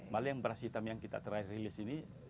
malah yang beras hitam yang kita terakhir rilis ini